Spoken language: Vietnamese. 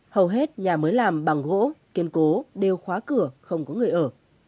hầu hết nhà mới làm bằng gỗ kiên cố đều khóa cửa không có người ở